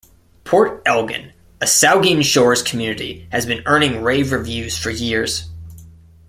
Port Elgin, a Saugeen Shores community, has been earning rave reviews for years.